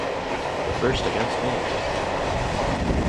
The first Against Me!